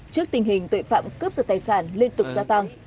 trước tình hình tội phạm cướp giật tài sản liên tục gia tăng